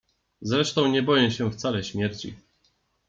Zresztą nie boję się wcale śmierci.